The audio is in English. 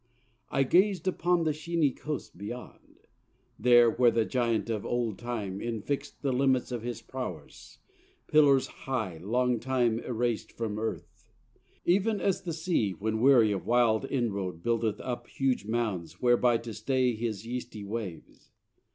I gaz'd upon the sheeny coast beyond, There where the Giant of old Time infixed The limits of his prowess, pillars high Long time eras'd from Earth: even as the sea When weary of wild inroad buildeth up Huge mounds whereby to stay his yeasty waves.